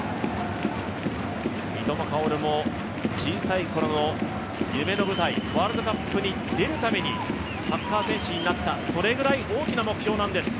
三笘薫も小さいころの夢の舞台、ワールドカップに出るためにサッカー選手になった、それぐらい大きな目標なんです。